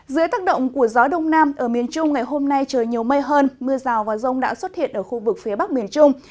dưới tác động của gió đông nam ở miền trung ngày hôm nay trời nhiều mây hơn mưa rào và rông đã xuất hiện ở khu vực phía bắc miền trung